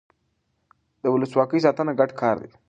د ولسواکۍ ساتنه ګډ کار دی